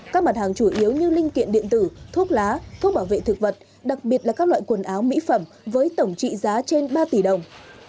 các mặt hàng chủ yếu như linh kiện điện tử thuốc lá thuốc bảo vệ thực vật đặc biệt là các loại quần áo mỹ phẩm với tổng trị giá trên ba tỷ đồng